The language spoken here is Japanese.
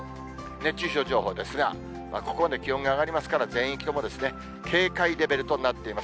熱中症情報ですが、ここまで気温が上がりますから、全域とも警戒レベルとなっています。